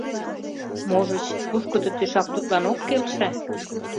Можыч, пушкыдо тӧшак тудлан ок келше?